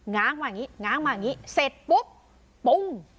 ง้างมาอย่างนี้ง้างมาอย่างนี้เสร็จปุ๊บปุ้ง